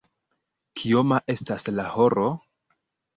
Kioma estas la horo?